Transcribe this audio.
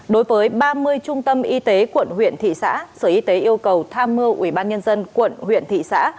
đối với ba mươi trung tâm y tế quận huyện thị xã sở y tế yêu cầu tham mưu ubnd quận huyện thị xã